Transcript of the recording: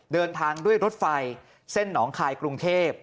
เดินทางด้วยรถไฟเส้นหนองคายกรุงเทพ